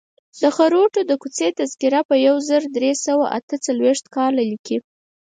د خروټو د کوڅې تذکره په یو زر درې سوه اته څلویښت کال لیکلې.